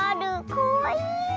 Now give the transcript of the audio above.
かわいい！